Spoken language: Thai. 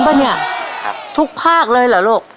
เย็นมากลุ่ม